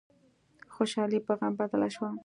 خوشحالي په غم بدله شوه.